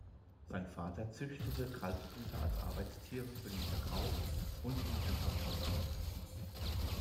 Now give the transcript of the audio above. Sein Vater züchtete Kaltblüter als Arbeitstiere für den Verkauf und hielt ein paar Ponys.